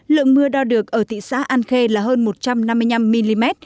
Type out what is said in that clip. lượng mưa đo được ở thị xã an khê là hơn một trăm năm mươi năm mm